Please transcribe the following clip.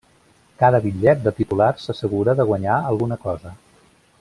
Cada bitllet de titular s'assegura de guanyar alguna cosa.